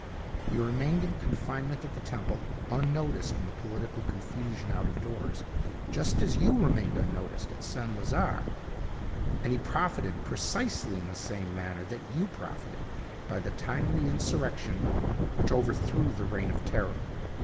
He remained in confinement at the Temple, unnoticed in the political confusion out of doors, just as you remained unnoticed at St. Lazare, and he profited precisely in the same manner that you profited by the timely insurrection which overthrew the Reign of Terror.